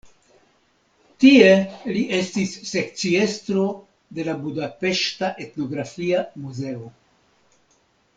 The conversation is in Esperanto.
Tie li estis sekciestro de la budapeŝta Etnografia Muzeo.